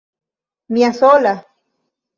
Mia sola!